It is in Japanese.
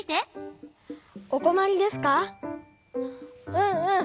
うんうん。